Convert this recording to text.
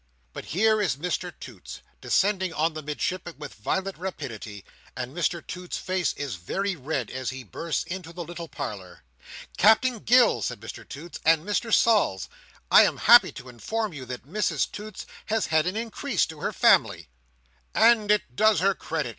But here is Mr Toots descending on the Midshipman with violent rapidity, and Mr Toots's face is very red as he bursts into the little parlour. "Captain Gills," says Mr Toots, "and Mr Sols, I am happy to inform you that Mrs Toots has had an increase to her family." "And it does her credit!"